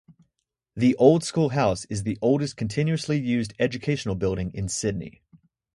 The Old School House is the oldest continuously used educational building in Sydney.